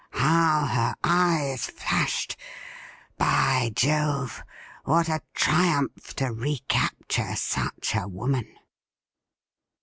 How her eyes flashed ! By Jove ! what a triumph to re capture such a woman